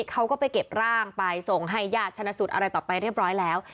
เขาก็ไปเก็บร่างไปส่งให้ญาติชนะสูตรอะไรต่อไปเรียบร้อยแล้ว